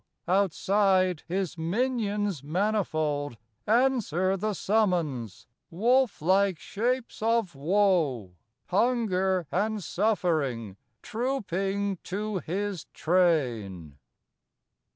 outside, his minions manifold Answer the summons: wolf like shapes of woe, Hunger and suffering, trooping to his train.